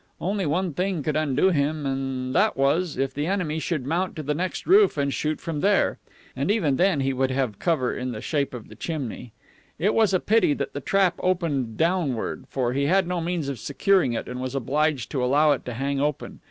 Only one thing could undo him, and that was, if the enemy should mount to the next roof and shoot from there. And even then he would have cover in the shape of the chimney. It was a pity that the trap opened downward, for he had no means of securing it and was obliged to allow it to hang open.